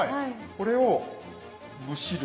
これをむしる。